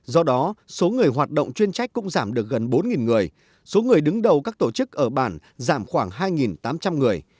do đó số người hoạt động chuyên trách cũng giảm được gần bốn người số người đứng đầu các tổ chức ở bản giảm khoảng hai tám trăm linh người